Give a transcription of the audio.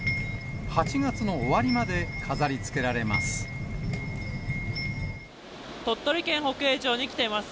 ８月の終わりまで飾りつけられます。